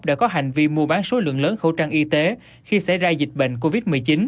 đã có hành vi mua bán số lượng lớn khẩu trang y tế khi xảy ra dịch bệnh covid một mươi chín